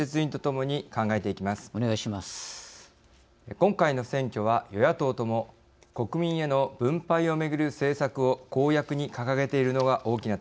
今回の選挙は与野党とも国民への分配をめぐる政策を公約に掲げているのが大きな特徴です。